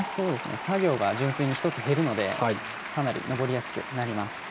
作業が純粋に１つ減るのでかなり登りやすくなります。